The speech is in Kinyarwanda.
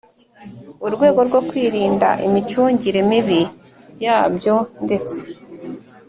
urwego rwo kwirinda imicungire mibi yabyo ndetse